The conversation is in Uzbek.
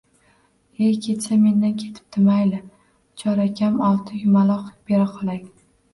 – E, ketsa mendan ketibdi! Mayli, chorakam olti yumaloq beraqolay